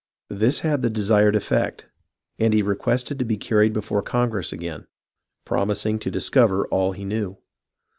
This had the desired effect ; and he requested to be carried before Congress again, promising to dis cover all he knew.